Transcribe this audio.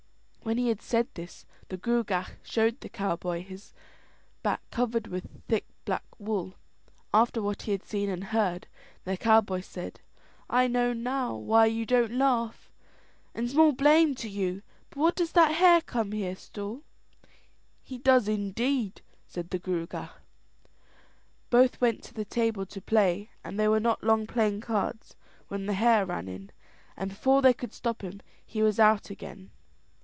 When he had said this, the Gruagach showed the cowboy his back covered with thick black wool. After what he had seen and heard, the cowboy said: "I know now why you don't laugh, and small blame to you. But does that hare come here still?" "He does indeed," said the Gruagach. Both went to the table to play, and they were not long playing cards when the hare ran in; and before they could stop him he was out again.